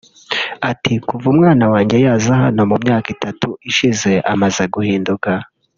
Ati” kuva umwana wanjye yaza hano mu myaka itatu ishize amaze guhinduka